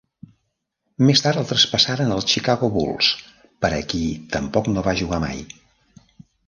Més tard el traspassaren als Chicago Bulls, per a qui tampoc no va jugar mai.